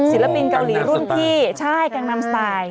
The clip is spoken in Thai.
ศิลปินเกาหลีรุ่นพี่ใช่แกงนำสไตล์